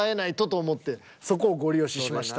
そこをゴリ押ししました。